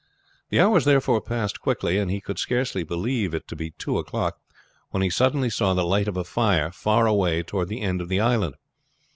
The hours therefore passed quickly, and he could scarcely believe it to be two o'clock when he suddenly saw the light of a fire far way toward the end of the island.